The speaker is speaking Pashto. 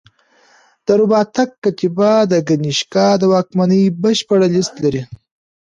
د رباطک کتیبه د کنیشکا د واکمنۍ بشپړه لېست لري